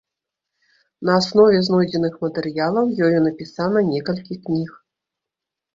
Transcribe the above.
На аснове знойдзеных матэрыялаў, ёю напісана некалькі кніг.